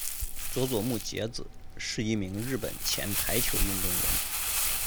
佐佐木节子是一名日本前排球运动员。